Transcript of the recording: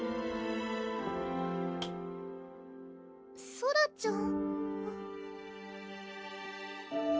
ソラちゃん？